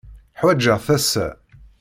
Ḥwaǧeɣ-t assa.